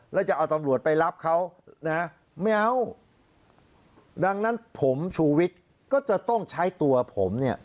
แล้วจะเอาตำรวจไปรับเขานะไม่เอาดังนั้นผมชูวิทย์ก็จะต้องใช้ตัวผมเนี่ย